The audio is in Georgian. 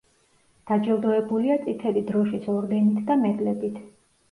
დაჯილდოებულია წითელი დროშის ორდენით და მედლებით.